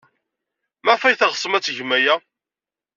Maɣef ay teɣsem ad tgem aya?